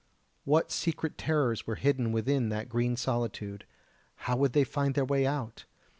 What secret terrors were hidden within that green solitude? How would they find their way out?